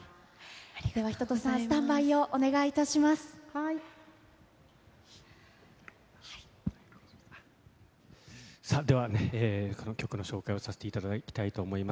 では、一青さん、スタンバイでは、この曲の紹介をさせていただきたいと思います。